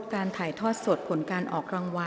กรรมการท่านที่สามได้แก่กรรมการใหม่เลขหนึ่งค่ะ